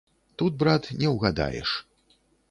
Тут, брат, не ўгадаеш.